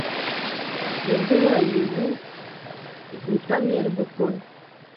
Ye ngə wayi wu, və otam yən bəkon.